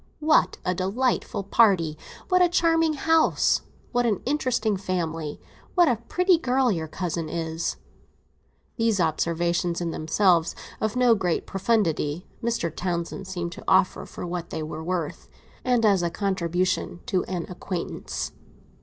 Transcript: "What a delightful party! What a charming house! What an interesting family! What a pretty girl your cousin is!" These observations, in themselves of no great profundity, Mr. Townsend seemed to offer for what they were worth, and as a contribution to an acquaintance.